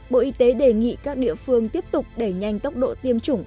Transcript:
bộ y tế đề nghị các địa phương tiếp tục đẩy nhanh tốc độ tiêm chủng